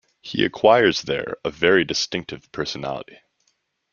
He acquires there a very distinctive personality.